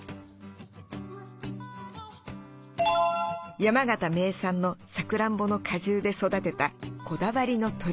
山形名産のさくらんぼの果汁で育てたこだわりの鶏。